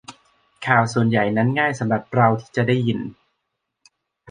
ข่าวส่วนใหญ่นั้นง่ายสำหรับเราที่จะได้ยิน